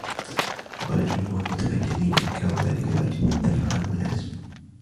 وَقَالَ جُمْهُورُ الْمُتَكَلِّمِينَ إنْكَارُ ذَلِكَ وَاجِبٌ ، وَالدَّفْعُ عَنْهُ لَازِمٌ